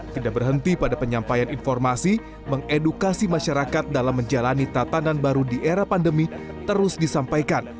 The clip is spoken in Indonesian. tidak berhenti pada penyampaian informasi mengedukasi masyarakat dalam menjalani tatanan baru di era pandemi terus disampaikan